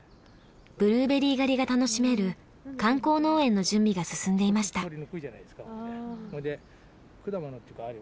ブルーベリー狩りが楽しめる観光農園の準備が進んでいました。